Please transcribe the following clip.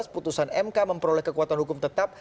putusan mk memperoleh kekuatan hukum tetap